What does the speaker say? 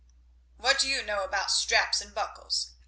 "What do you know about straps and buckles?"